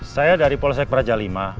saya dari polsek praja v